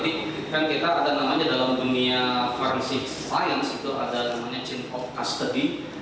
jadi kan kita ada namanya dalam dunia forensic science itu ada namanya chain of custody